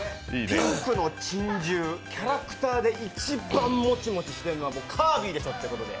ピンクの珍獣、キャラクターで一番モチモチしてるのはカービィでしょっていうことで。